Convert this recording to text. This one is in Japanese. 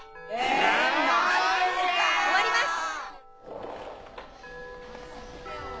えっ⁉終わります！